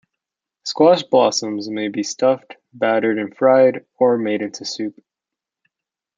Squash blossoms may be stuffed, battered and fried, or made into soup.